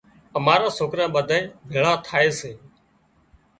ماران سوڪران ٻڌانئين ڀيۯان ٿائي سي۔